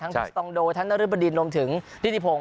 ทั้งสตองโดทั้งนฤบดินรวมถึงดินิโภง